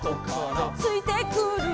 「ついてくる」